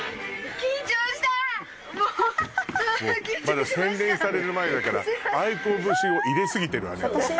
まだ洗練される前だからａｉｋｏ節を入れすぎてるわね